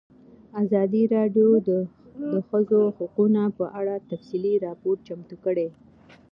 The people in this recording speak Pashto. ازادي راډیو د د ښځو حقونه په اړه تفصیلي راپور چمتو کړی.